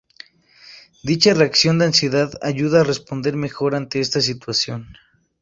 Dicha reacción de ansiedad ayuda a responder mejor ante esta situación.